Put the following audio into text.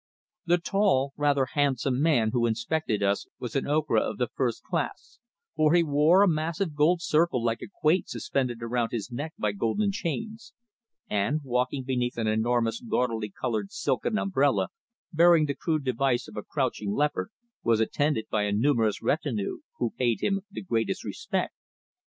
The tall, rather handsome, man who inspected us was an Ocra of the first class, for he wore a massive gold circle like a quoit suspended around his neck by golden chains, and, walking beneath an enormous, gaudily coloured silken umbrella bearing the crude device of a crouching leopard, was attended by a numerous retinue, who paid him the greatest respect.